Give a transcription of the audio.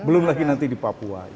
belum lagi nanti di papua